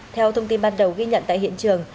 theo thông tin ban đầu ghi nhận tại hiện trường